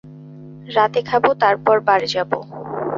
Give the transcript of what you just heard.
রাতে খাবো, তারপর বারে যাবো।